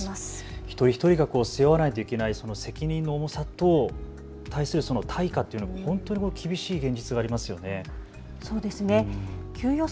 １人１人が攻勢をないといけないその責任の重さとそれに対する対価というのが本当に厳しい現実ありますよね。